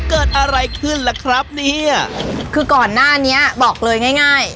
เกิดอะไรขึ้นล่ะครับเนี่ยคือก่อนหน้านี้บอกเลยง่ายง่าย